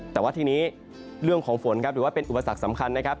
แต่ว่าทีนี้เรื่องของฝนครับถือว่าเป็นอุปสรรคสำคัญนะครับ